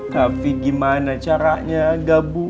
tapi gimana caranya gabu